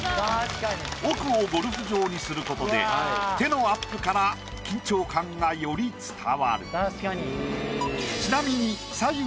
奥をゴルフ場にすることで手のアップから緊張感がより伝わる。